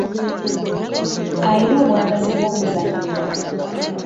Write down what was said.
Ayina obwagazi bw'omuzannyo.